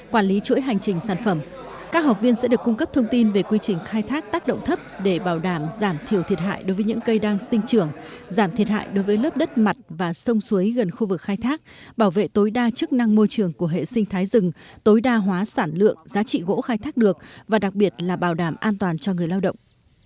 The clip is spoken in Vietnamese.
quản lý chuỗi hành trình sản phẩm các học viên sẽ được cung cấp thông tin về quy trình khai thác tác động thấp để bảo đảm giảm thiểu thiệt hại đối với những cây đang sinh trường giảm thiệt hại đối với lớp đất mặt và sông suối gần khu vực khai thác bảo vệ tối đa chức năng môi trường của hệ sinh thái rừng tối đa hóa sản lượng giá trị gỗ khai thác được và đặc biệt là bảo đảm an toàn cho người lao động